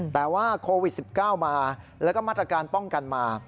แต่ว่าโควิด๑๙มาแล้วก็มาตรการป้องกันมา